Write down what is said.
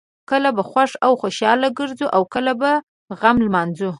کله به خوښ او خوشحاله ګرځو او کله به غم لمانځو.